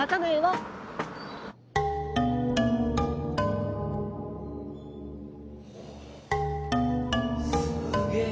すげえ。